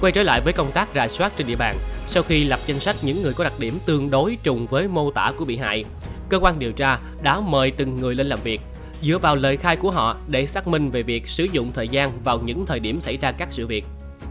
quay trở lại với công tác rà soát trên địa bàn sau khi lập danh sách những người có đặc điểm tương đối trùng với mô tả của bị hại cơ quan điều tra đã mời từng người lên làm việc dựa vào lời khai của họ để xác minh về việc sử dụng thời gian vào những thời điểm xảy ra các sự việc